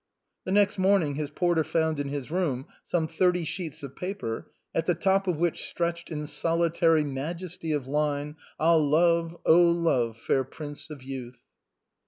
The next morning his porter found in his room some thirty sheets of paper, at the top of which stretched in solitary majesty the line "Oh; love, oh! love, fair prince of youth."